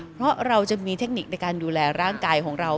เพราะเราจะมีเทคนิคในการดูแลร่างกายของเรา